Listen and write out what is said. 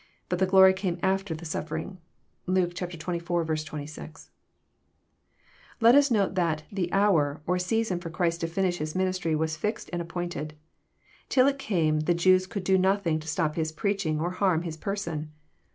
But the glory came after the sufl'ering. (Luke xxiv. 26.) Let us note that <' the hour " or season for Christ to finish His ministry was fixed and appointed. Till it came the Jews could do nothing to stop His preaching or harm His person.